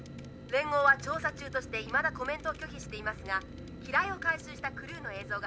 連合は調査中としていまだコメントを拒否していますが機雷を回収したクルーの映像が入ってきています」。